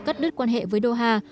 cắt đứt quan hệ với đô hà